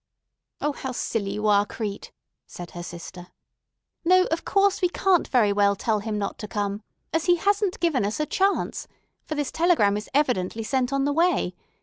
"O, how silly you are, Crete!" said her sister. "No, of course we can't very well tell him not to come, as he hasn't given us a chance; for this telegram is evidently sent on the way.